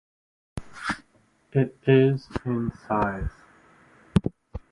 It is in size.